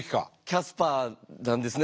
キャスパーなんですね